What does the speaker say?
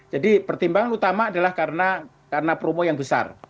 jadi pertimbangan utama adalah karena promo yang besar